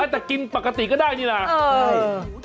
แต่กินปกติก็ได้แล้วยังไงล่ะ